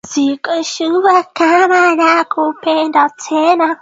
asidi ya salfa na asidi ya nitriki ambayo hurudi duniani kama mvua ya asidi